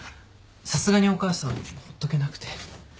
さすがにお母さんほっとけなくて。